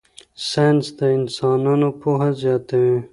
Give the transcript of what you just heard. ساینس د انسانانو پوهه زیاتوي.